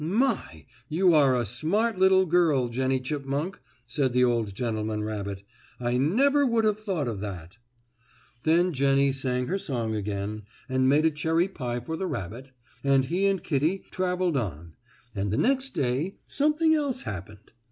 "My! But you are a smart little girl, Jennie Chipmunk," said the old gentleman rabbit. "I never would have thought of that." Then Jennie sang her song again, and made a cherry pie for the rabbit, and he and Kittie traveled on, and the next day something else happened.